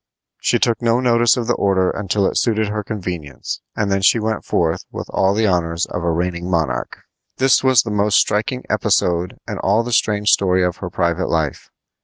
She took no notice of the order until it suited her convenience, and then she went forth with all the honors of a reigning monarch. This was the most striking episode in all the strange story of her private life.